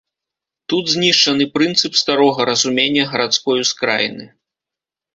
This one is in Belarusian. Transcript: Тут знішчаны прынцып старога разумення гарадской ускраіны.